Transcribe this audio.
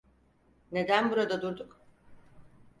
Neden burada durduk?